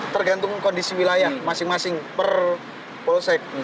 tergantung kondisi wilayah masing masing per polsek